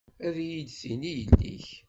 Ad iyi-d-tini yelli-k.